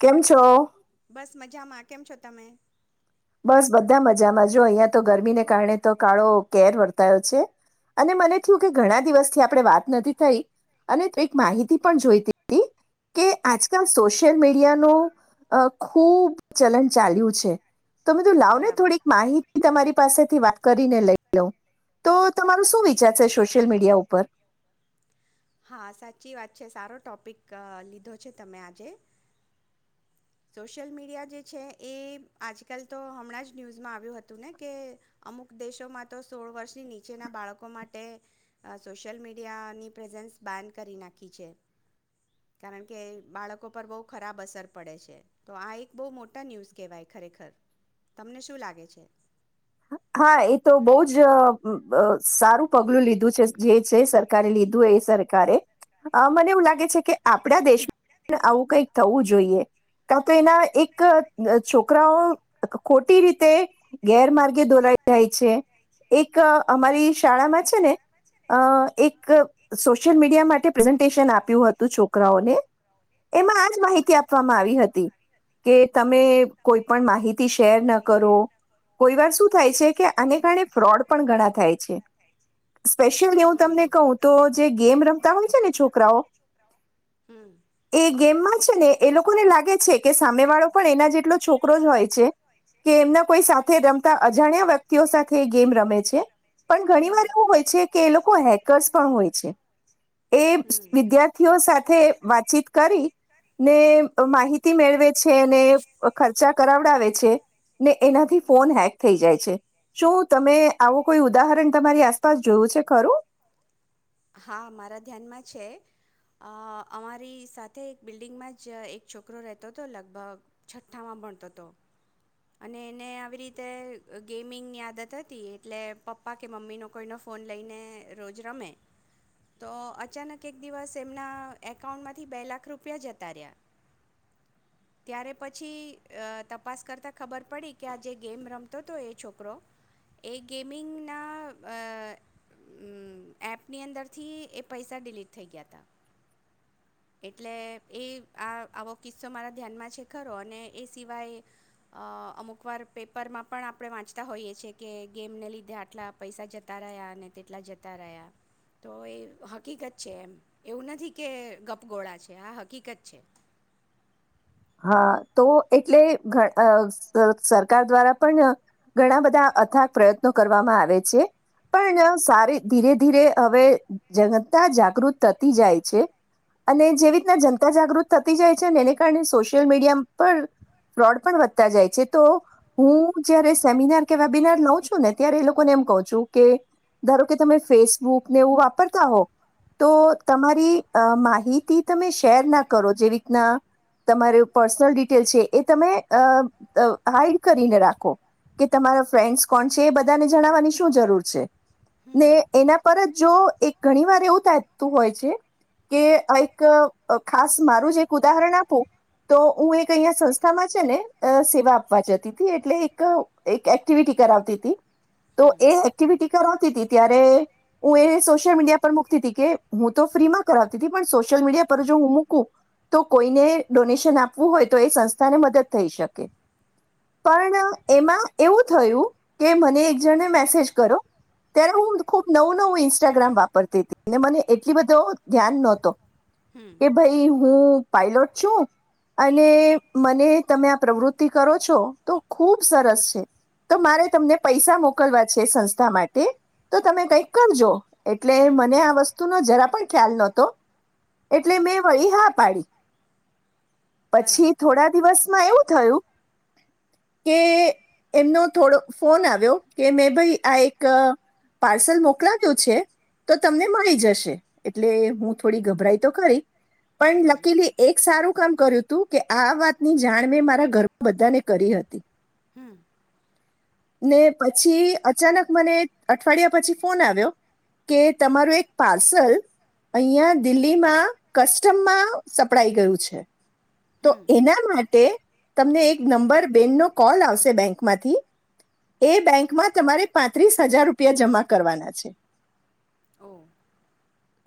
કેમ છો? બસ મજામાં કેમ છો તમે? બસ બધા મજામાં જો અહીયાયા તો ગરમીને કારણે તો કાળો કેર વર્તાયો છે અને મને થયું કે ઘણા દિવસથી આપણે વાત નથી થઈ અને એક માહિતી પણ જોઈતી કે આજકાલ સોશિયલ મીડિયાનું અ ખુબ ચલન ચાલ્યું છે તોમે તું લાવ ને થોડીક માહિતી તમારી પાસેથી વાત કરીને લઈ લઉ તો તમારું શું વિચાર છે સોશિયલ મીડિયા ઉપર હા સાચી વાત છે સારો ટોપિક અ લીધો છે તમે આજે સોશિયલ મીડિયા જે છે એ આજકાલ તો હમણાં જ ન્યૂઝમાં આવ્યું હતું ને કે અમુક દેશોમાં તો સોળ વર્ષની નીચેના બાળકો માટે સોશિયલ મીડિયાની પ્રેઝન્સ બાન કરી નાખી છે કારણ કે બાળકો પર બહુ ખરાબ અસર પડે છે તો આ એક બહુ મોટા ન્યૂઝ કહેવાય ખરેખર તમને શું લાગે છે. હા એ તો બહુ બ અ જ સારું પગલું લીધું છે જે છે સરકારે લીધું એ સરકારે અ મને એવું લાગે છે કે આપડા દેશમાં આવું કઈક થવું જોઈએ કા તો એના એક છોકરાઓ ખોટી રીતે ગેરમાર્ગ દોરાઈ જાય છે એક અમારી શાળામાં છે ને અ એક સોશિયલ મીડિયા માટે પ્રેઝન્ટેશન આપ્યું હતું છોકરાઓને એમાં આજ માહિતી આપવામાં આવી હતી કે તમે કોઈ પણ માહિતી શેર ન કરો કોઈ વાર શું કાર ફ્રોડ ઘ થાય છે સ્પેશિયલી હુ તમને ક હુતો જે ગેમ રમતા હોય છે ને છોકરાઓ હમ એ ગેમ માં છે ને એ લોકોને લાગે છે કે સામે વાળો પણ છોકરો જ હોય છે કે એમના કોઈ સાથે રમતા અજાણ્યા વ્યક્તિઓ સાથે એ ગેમ રમે છે પણ ઘણી હમ વાર એવું હોય છે કે એ લોકો હેકર્સ પણ હોય છે એ હમ વિદ્યાર્થીઓ સાથે વાતચીત કરી ને માહિતી મેળવે છે અને ખર્ચા કરાવડાવે છે ને એનાથી ફોન હેક થઈ જાય છે શું તમે આવું કોઈ ઉદાહરણ તમારી આસપાસ જોયું છે ખરું હા મારા ધ્યાનમાં છે અ અમારી સાથે એક બિલ્ડિંગમાં જ એક છોકરો રહેતો હતો લગભગ છઠ્ઠામાં ભણતો હતો અને એને આવી રીતે ગેમિંગની આદત હતી એટલે પપ્પા કે મમ્મીનો કોઈનો ફોન લઈને રોજ રમે તો અચાનક એક દિવસ એમના એકાઉન્ટમાંથી બે લાખ રૂપિયા જતા રહ્યા ત્યારે પછી ઇ તપાસ કરતાં ખબર પડી કે આ જે ગેમ રમતો હતો એ છોકરો એ ગેમિંગના અ એપની અંદરથી એ પૈસા ડિલીટ થઈ ગયા હતા એટલે એ આ આવો કિસ્સો મારા ધ્યાનમાં છે ખ અને એ સિવાય અમુક વાર પેપરમાં પણ આપણે વાંચતા હોઈએ છીએ કે ગેમને લીધે આટલા પૈસા જતા રહ્યા અને તેટલા જતા રહ્યા તો એ હકીકત છે એમ એવું નથી કે ગપગોળા છે આ હકીકત છે હા તો એટલે ઘ સરકાર દ્વારા પણ ઘણા બધા અથાગ પ્રયત્નો કરવામાં આવે છે પણ સારી ધીરે ધીરે હવે જનતા જાગૃત થતી જાય છે અને જે રીતના જનતા જાગૃત થતી જાય છેને એને કારણે સોશ સોલ મીડિયા પર ફ્રોડ પણ વધતા જાય છે તો હું જયારે સેમિનાર કે વેબિનાર લઉં છું ને ત્યારે એ લોકોને એમ કહ છું કે ધારો કે તમે ફેસબુકને એવું વાપરતા હો તો તમારી અ માહિતી તમે શેર ના કરો જેવી રીતના તમારે પર્સનલ ડિટેલ છે એ તમે અ અહાઈડ કરીને રાખો કે તમારા ફ્રેન્ડસ કોણ છે એ બધાને જણાવવાની શું જરૂર છે ને હમ એના પરત જો એક ઘણી વાર એવું થતું હોય છે કે એક ખાસ મારું જ એક ઉદાહરણ આપું તો હું એક અહીંયા સંસ્થામાં છે ને સેવા આપવા જતી હતી એટલે એક એક એક્ટિવિટી કરાવતી હતી તો હમ એ એક્ટિવિટી ત સોલ મી કે હું તો ફ્રીમાં કરતી પણ સોશલ મીડિયા પર જો હું મૂકું તો કોઈને ડોને આપવું હોય તો એ સંસ્થા ને મદદ થઈ શકે પણ એમાં એવું થયું કે મને એક જણને મેસેજ કરો ત્યારે હું ખુબ નવું નવું ઇન્સ્ટાગ્રામ વાપરતી હતી અને મને એટલી બધો ધ્યાન નહતો હમ કે ભાઈ હું પાઈલોટ છું અને મને તમે આ પ્રવૃતિ કરો છો તો ખુબ સરસ છે તો મારે તમને પૈસા મોકલવા છે સંસ્થા માટે તો તમે કઈક કરજો એટલે હમ મને આ વસ્તુ ન જરા પણ ખ્યાલ નતો એટલે મેં વળી હા પાડી પછી બરાબર થોડા દિવસ માં એવું થયું કે એમનો થોડો ફોન આવ્યો કે મેં ભાઈ આ એક પાર્સલ મોકલાવ્યો છે તો તમને મળી જશે એટલે હું થોડી ગભરાઈ તો કરી પણ હમ લખલી એક સારું શ કામ કર્યું હતું કે આ વાતની જાણ મેં મારા ઘરમાં બધાને કરી હતી હમ ને પછી અચાનક મને અઠવાડિયા પછી ફોન આવ્યો કે તમારું એક પાર્સલ અહં દિલ્હીમાં કસ્ટમમાં સપડાઈ ગયું છે. તો હમ એના માટે તમને એક નંબર બેનનો કોલ આવશે બેંકમાંથી એ બેંકમાં [unintelligible] પાંત્રીસ હજાર રૂપિયા જમા કરવાના છે. ઓ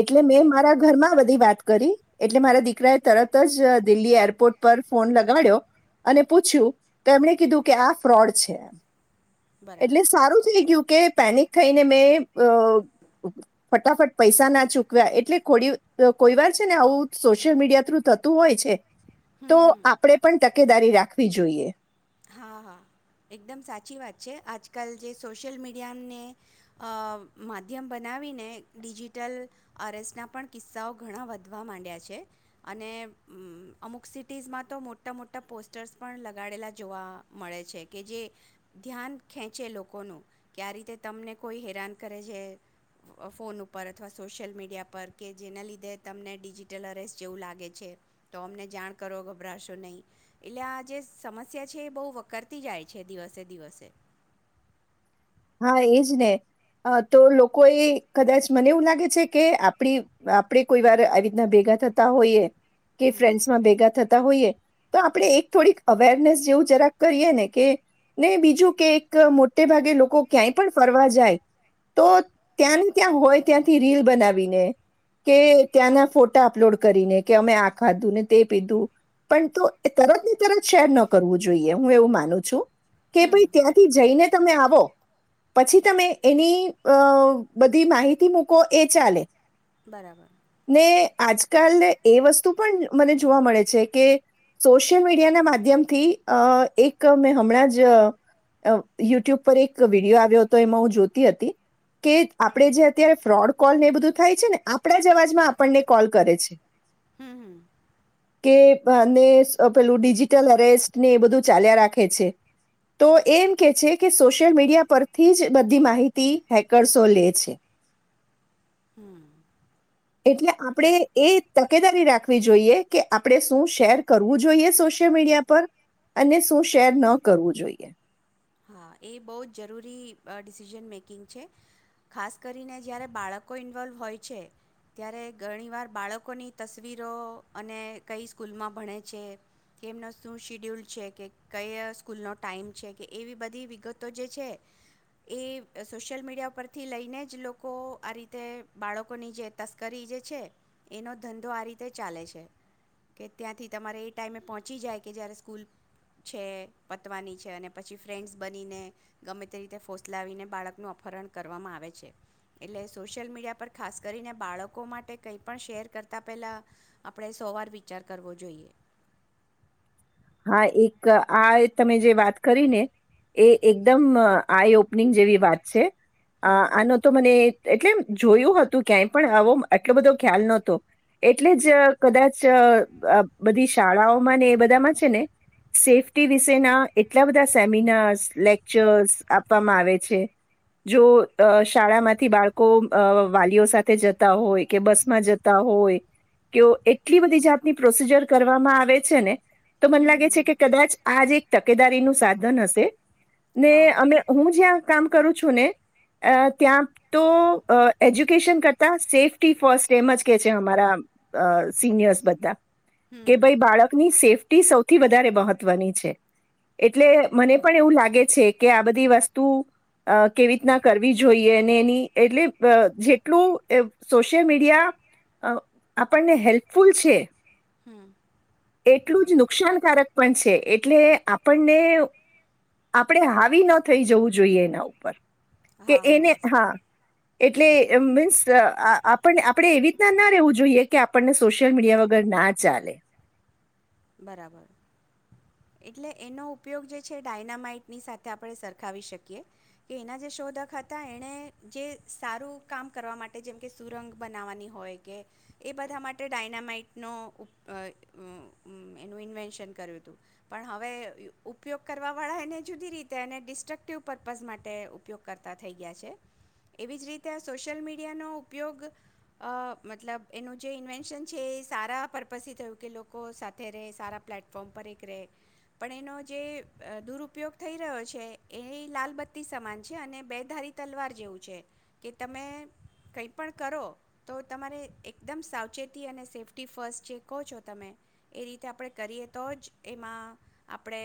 એટલે મેં મારા ઘરમાં બધી વાત કરી એટલે મારા દીકરા એ તરત જ દિલ્હી એરપોર્ટ પર ફોન લગાડ્યો અને પૂછ્યું તો એમણે કીધું કે આ ફ્રોડ છે. એટલે બરાબર સારું થઈ ગયું કે પેનિક થઈને મેં અ ફટાફટ પૈસા ના ચૂકવ્યા એટલે ખોડી કોઈ વાર છે ને આવું સોશિયલ મીડિયા થ્રુ થતું હોય છે. તો હમ હમ આપડે પણ તકેદારી રાખવી જોઈએ હા હા એકદમ સાચી વાત છે આજકાલ જે સોશિયલ મીડિયાને માધ્યમ બનાવીને ડિજિટલ અરેસના પણ કિસ્સાઓ ઘણા વધવા માંડ્યા છે અને અમુક સિટીઝમાં તો મોટા મોટા પોસ્ટર્સ પણ લગાડેલા જોવા મળે છે. કે જે ધ્યાન ખેંચે લોકોનું કે આ રીતે તમને કોઈ હેરાન કરે છે ફોન ઉપર અથવા સોશિયલ મીડિયા પર કે જેના લીધે તમને ડિજિટલ અરેસ જેવું લાગે છે તો અમને જાણ કરો ગભરાશો નહીં એટલે આ જે સમસ્યા છે એ બહુ વકર તી જાય છે દિવસે દિવસે હા એજ ને તો લોકો એ કદાચ મને એવું લાગે છે કે આપડી આપણે કોઈ વાર આવી રીતના ભેગા થતા હોઈએ કે હમ ફ્રેન્ડસ માં ભેગા થતા હોઈએ. તો આપણે એક થોડીક અવેરનેસ જેવું જરાક કરીએ ને કે ને બીજું કે એક મોટે ભાગે લોકો ક્યાંય પણ ફરવા જાય તો ત્યાં ને ત્યાં હોય ત્યાંથી રીલ બનાવીને કે ત્યાંના ફોટા અપલોડ કરીને કે અમે આ ખાધું ને તે પીધું પણ તો તરત ને તરત શેર ન કરવું જોઈએ હું એવું માનું છું. કે હમ ભાઈ ત્યાંથી જઈને તમે આવો. પછી તમે એની અ બધી માહિતી મુકો એ ચાલે. બરાબર ને આજકાલ એ વસ્તુ પણ મને જોવા મળે છે, કે સોશિયલ મીડિયાના માધ્યમથી અ એક મેં હમણાં જ યુટ્યુબ પર એક વિડીયો આવ્યો હતો એમાં હું જોતી હતી કે આપડે જે અત્યારે ફ્રોડ કોલને એ બધું થાય છે, ને આપડા જ અવાજમાં આપણને કોલ કરે છે. હમ્મ હમ્મ. કે અને પેલું ડિજિટલ અરેસ્ટને એ બધું ચાલ્યા રાખે છે, તો એમ કે છે, કે સો સોશિયલ મીડિયા પરથી જ બધી માહિતી હેકર્સો લે છે. હમ્મ. એટલે આપણેે એ તકેદારી રાખ રાખવી જોઈએ કે આપણે શું શેર કરવું જોઈએ સોશિયલ મીડિયા પર અને શું શેર ન કરવું જોઈએ. હા એ બહુ જ જરૂરી અ ડિસિઝન મેકિંગ છે ખાસ કરીને જ્યારે બાળકો ઇન્વોલ્વ હોય છે, ત્યારે ઘણીવાર બાળકોની તસવીરો અને કઈ સ્કૂલમાં ભણે છે, કેમનો શું શિડ્યુલ છે, કે કઈ સ્કૂલનો ટાઈમ છે, કે એવી બધી બધી વિગતો જે છે એ સોશિયલ મીડિયા પરથી લઈને જ લોકો આ રીતે બાળકોની જે તસ્કરી જે છે એનો ધંધો આ રીતે ચાલે છે કે ત્યાંથી તમારે એ ટાઈમે પહોંચી જાય કે જયારે સ્કૂલ છે, પતવાની છે, અને પછી ફ્રેન્ડ્સ બનીને ગમે તે રીતે ફોસલાવીને બાળકનું અપહરણ કરવામાં આવે છે, એટલે સોશિયલ મીડિયા પર ખાસ કરીને બાળકો માટે કંઈ પણ શેર કરતાં પહેલાં આપણે સોવાર વિચાર કરવો જોઈએ. હા એક આ તમે જે વાત કરી ને એ એકદમ આઈ ઓપનિંગ જેવી વાત છે. અ હમ આનો તો મને એટલે એ જોયું હતું ક્યાંય પણ આવો આટલો બધો ખ્યાલ નહતો એટલે જ કદાચ બધી શાળાઓમાં ને એ બધામાં જ તે ને સેફટી વિષના એટલા બધા સેમિનાર લેકચર્સ આપવામાં આવે છે, જો શાળામાંથી બાળકો વાલીઓ સાથે જતા હોય કે બસ માં જતા હોય કે એટલી બધી જાતની પ્રોસીજર કરવામાં આવે છે, ને તો મને હમ લાગે છે, કે હમ કદાચ આજ એક તકેદારી નું સાધન હશે ને હા અમે હું જ્યાં કામ કરું છું ને ત્યાં તો એડયુકેશન કરતા સેફ્ટી ફસ્ટ એમજ કે છે, અમારા સિનિયર્સ બધા કે હમ ભાઈ બાળકની સેફ્ટ સૌથી વધારે મહત્વની છે, એટલે મને પણ એવું લાગે છે, કે આ બધી વસ્તુ અ કેવી રીતના કરવી જોઈએ અને એની એટલે અ જેટલું સોશિયલ મીડિયા અ આપણને હેલ્થ ફૂલછે. હમ એટલું જ નુકસાનકારક પણ છે, એટલે આપણને આપણે હાવી ન થઈ જવું જોઈએ એના ઉપર કે એને હા એટલે મીન્સ આપ આપણે આપણેએવી રીતના ના રહેવું જોઈએ કે આપણને સોશિયલ મીડિયા વગર ના ચાલે બરાબર એટલે એનો ઉપયોગ જે છે, ડાયનામાઈટની સાથે આપણે સરખાવી શકીએ કે એના જે શોધક હતા એણે જે સારું કામ કરવા માટે જેમકે સુરંગ બનાવવાની હોય કે એ બધા માટે ડાયનામાઈટનો એનું ઇન્વેન્શન કર્યું હતું પણ હવે ઉપયોગ કરવાવાળા એને જુદી રીતે એને વિનાશક હેતુ માટે ઉપયોગ કરતા થઈ ગયા છે, એવી જ રીતે સોશિયલ મીડિયાનો ઉપયોગ અ મતલબ એનું જે ઇન્વેન્શન છે, એ સારા પર્પઝથી થયું કે લોકો સાથે સાથે ર સારા પ્લેટફોર્મ પર એક રહે પણ એનો જે દુરુપયોગ થઈ રહ્યો છે, એ લાલબત્તી સમાન છે, અને બે ધારી તલવાર જેવું છે, કે તમે કંઈ પણ કરો તો તમારે એકદમ સાવચેતી અને સેફ્ટી ફસ્ટ જે કહો છો તમે એ રીતે આપણે કરીએ તો જ એમાં આપણે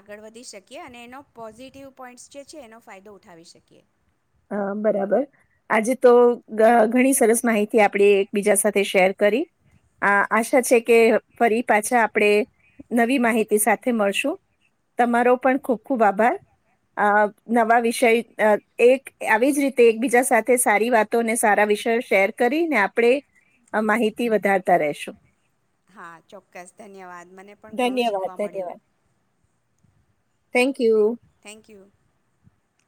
આગળ વધી શકીએ અને એનો પોઝિટિવ પોઈન્ટ્સ જે છે, એનો ફાયદો ઉઠાવી શકીએ અ બરાબર આજે તો ઘણી સરસ માહિતી આપણે એકબીજા સાથે શેર કરી આ આશા છે, કે ફરી પાછા આપણે નવી માહિતી સાથે મળશું તમારો પણ ખૂબ ખૂબ આભાર અ નવા વિષય એક આવી જ રીતે એકબીજા સાથે સારી વાતો અને સારા વિષયો શેર કરીને આપણે માહિતી વધારતા રશું હા ચોક્કસ ધન્યવાદ મને પણ ઘણું ધન્યવાદ શીખવા મળ્યું ધન્યવાદ થેન્ક યુ આભાર